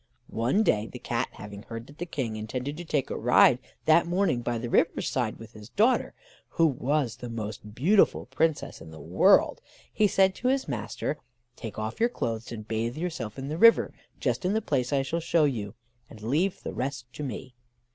One day, the Cat having heard that the King intended to take a ride that morning by the river's side with his daughter, who was the most beautiful Princess in the world, he said to his master: "Take off your clothes, and bathe yourself in the river, just in the place I shall show you, and leave the rest to me."